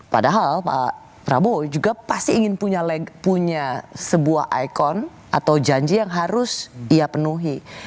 padahal pak prabowo juga pasti ingin punya sebuah ikon atau janji yang harus ia penuhi